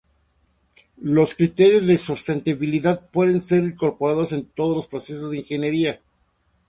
Los criterios de sostenibilidad pueden ser incorporados en todos los procesos de ingeniería.